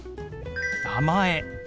「名前」。